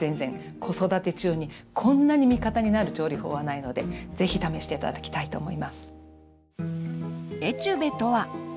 子育て中にこんなに味方になる調理法はないのでぜひ試して頂きたいと思います。